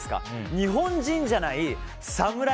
日本人じゃないサムライ